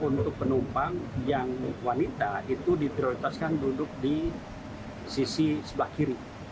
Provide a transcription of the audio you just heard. untuk penumpang yang wanita itu diprioritaskan duduk di sisi sebelah kiri